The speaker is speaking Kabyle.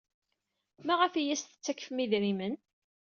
Maɣef ay as-tettakfem idrimen?